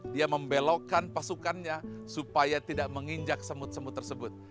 dia membelokkan pasukannya supaya tidak menginjak semut semut tersebut